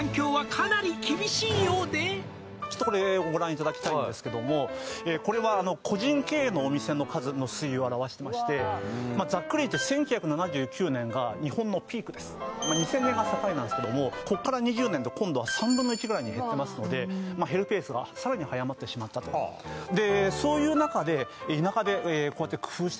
ちょっとこれをご覧いただきたいんですけどもこれは個人経営のお店の数の推移を表してましてざっくり言って１９７９年が日本のピークですまあ２０００年が境なんですけどもこっから２０年で今度は３分の１ぐらいに減ってますので減るペースがさらに速まってしまったとでそういう中で田舎でこうやって工夫してですね